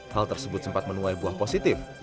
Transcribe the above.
hal tersebut sempat menuai buah positif